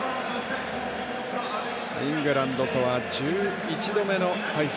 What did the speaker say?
イングランドとは１１度目の対戦。